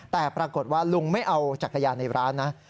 แต่ปรากฏว่าลุงไม่เอาจักรยานในร้านนะ